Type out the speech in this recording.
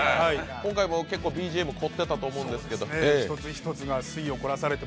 今回もＢＧＭ凝ってたと思うんですけど。